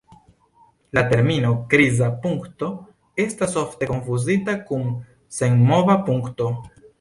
La termino "kriza punkto" estas ofte konfuzita kun "senmova punkto".